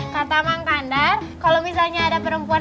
kata mang kandar kalo misalnya ada perempuan